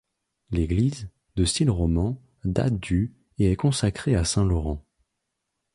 L'église, de style roman, date du et est consacrée à saint Laurent.